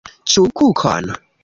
Ĉu kukon?